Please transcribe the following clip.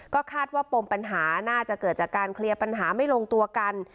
ก็คาดว่าปมปัญหาน่าจะเกิดจากการเคลียร์ปัญหาไม่ลงตัวกัน